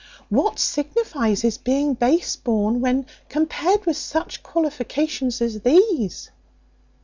What signifies his being base born, when compared with such qualifications as these?"